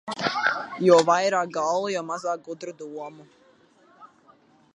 Jo vairāk galvu, jo mazāk gudru domu.